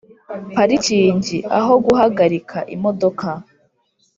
parikingi (aho guhagarika imodoka)